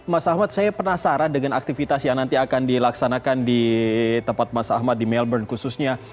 mas ahmad saya penasaran dengan aktivitas yang nanti akan dilaksanakan di tempat mas ahmad di melbourne khususnya